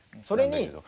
それに。